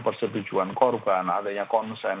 persetujuan korban adanya konsen